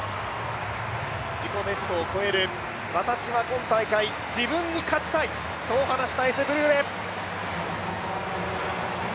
自己ベストを超える、私は今大会自分に勝ちたい、そう話したエセ・ブルーメ。